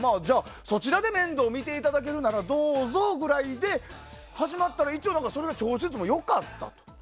そちらで面倒見ていただけるならどうぞぐらいで始まったら一応それが聴取率もよかったと。